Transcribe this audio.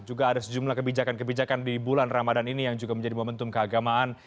juga ada sejumlah kebijakan kebijakan di bulan ramadan ini yang juga menjadi momentum keagamaan